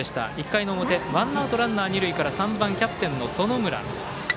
１回の表、ワンアウトランナー、二塁から３番キャプテンの園村。